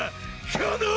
この！